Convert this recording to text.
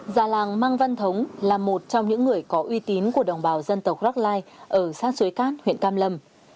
già làng mang văn thống là một trong những người có uy tín của đồng bào dân tộc rackline ở sát suối cát huyện cam lâm